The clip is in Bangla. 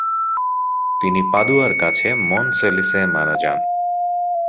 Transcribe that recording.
তিনি পাদুয়ার কাছে মনসেলিসে মারা যান।